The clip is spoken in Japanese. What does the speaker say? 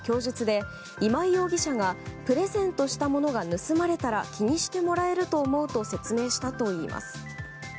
大坪容疑者は供述で今井容疑者がプレゼントしたものが盗まれたら気にしてもらえると思うと説明したといいます。